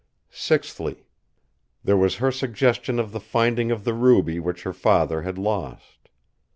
Sixthly: there was her suggestion of the finding of the Ruby which her father had lost.